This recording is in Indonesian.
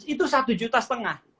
itu satu juta setengah